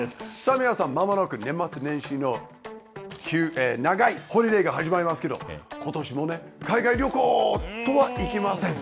皆さん、まもなく年末年始の長いホリデーが始まりけれども、ことしもね、海外旅行とはいきません。